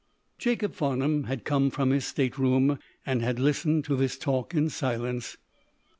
Jacob Farnum had come from his stateroom, and had listened to this talk in silence.